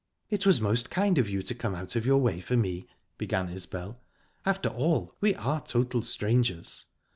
"It was most kind of you to come out of your way for me," began Isbel. "After all, we are total strangers."